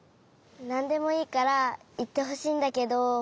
なんでもいいからいってほしいんだけど。